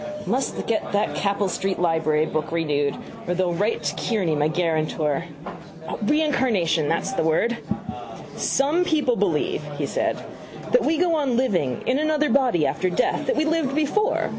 Must get that Capel street library book renewed or they'll write to Kearney, my guarantor. Reincarnation: that's the word. —Some people believe, he said, that we go on living in another body after death, that we lived before.